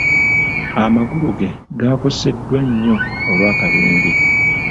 Amagulu ge gaakoseddwa nnyo olw'akabenje.